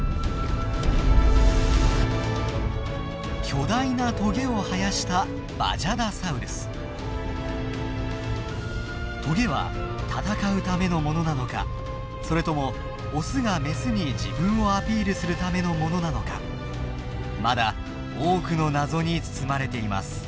巨大なトゲを生やしたトゲは戦うためのものなのかそれともオスがメスに自分をアピールするためのものなのかまだ多くの謎に包まれています。